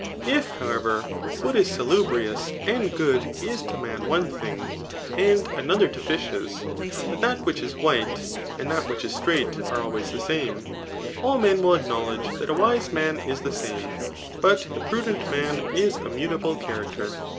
* If, however, what is salubrious and good is to man one thing, and another to fishes, but that which is white and that which is straight are always the same/ all men will acknowledge that a wise man is the same, but the prudent man is a mutable character.